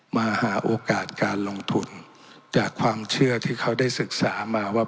มาหาโอกาสการลงทุนจากความเชื่อที่เขาได้ศึกษามาว่า